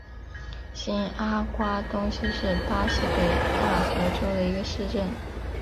新阿瓜多西是巴西北大河州的一个市镇。